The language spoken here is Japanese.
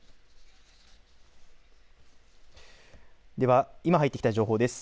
では今入った情報です。